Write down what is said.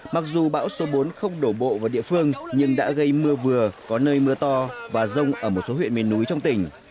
mặc dù bão số bốn không đổ bộ vào địa phương nhưng đã gây mưa vừa có nơi mưa to và rông ở một số huyện miền núi trong tỉnh